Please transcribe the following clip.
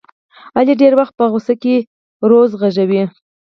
علي ډېری وخت په غوسه کې روض غږوي.